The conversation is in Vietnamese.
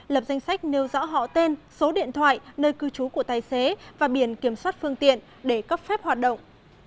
lập danh sách nêu rõ họ tên số điện thoại nơi cư trú của tài xế và biển kiểm soát phương tiện để cấp phép hoạt động